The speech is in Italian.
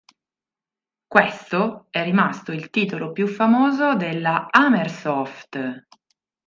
Questo è rimasto il titolo più famoso della Amersoft.